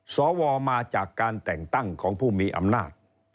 สวมาจากการแต่งตั้งของผู้มีอำนาจ